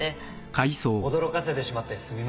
驚かせてしまってすみません